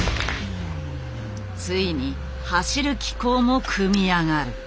ついに走る機構も組み上がる。